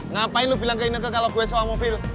ngapain lu bilang ke ineke kalau gue sewa mobil